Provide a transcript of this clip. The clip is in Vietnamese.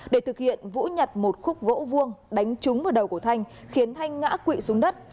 để thực hiện vũ nhặt một khúc gỗ vuông đánh trúng vào đầu của thanh khiến thanh ngã quỵ xuống đất